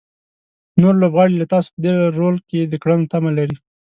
نور لوبغاړي له تاسو په دې رول کې د کړنو تمه لري.